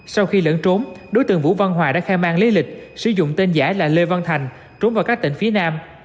sau khi lẫn trốn đối tượng vũ văn hòa đã khai man lý lịch sử dụng tên giả là lê văn thành trốn vào các tỉnh phía nam